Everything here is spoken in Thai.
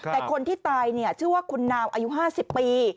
แต่คนที่ตายชื่อว่าคุณนาวอายุ๕๐ปี